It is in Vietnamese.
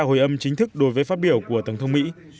hồi âm chính thức đối với phát biểu của tổng thống mỹ